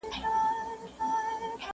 زه چي هر قدم ایږدمه هر ګړی دي یادومه،